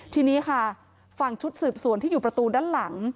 ทีนี้ค่ะฝั่งชุดสืบสวนที่อยู่ประตูด้านหลัง